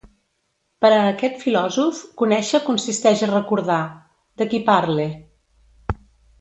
Per a aquest filòsof conèixer consisteix a recordar; de qui parle?